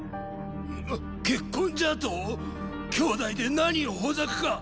結婚じゃとォ⁉兄妹で何をほざくか！